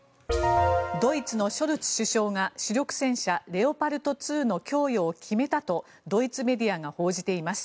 ドイツのショルツ首相が主力戦車レオパルト２の供与を決めたとドイツメディアが報じています。